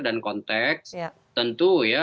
dan konteks tentu ya